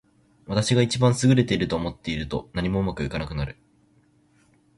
私が一番優れていると思っていると、何もうまくいかなくなる。